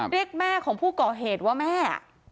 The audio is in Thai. เรียกแม่ของผู้ก่อเหตุว่าแม่